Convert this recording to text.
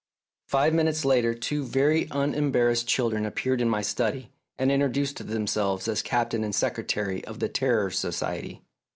Five minutes later two very unembarrassed children appeared in my study, and intro duced themselves as Captain and Secretary of the Terror Society.